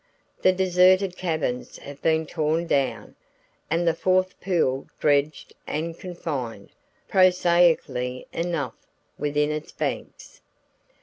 The deserted cabins have been torn down, and the fourth pool dredged and confined, prosaically enough, within its banks.